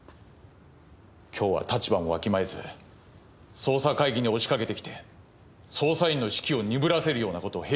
今日は立場もわきまえず捜査会議に押しかけてきて捜査員の士気を鈍らせるようなことを平気で言う。